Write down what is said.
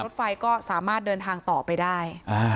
รถไฟก็สามารถเดินทางต่อไปได้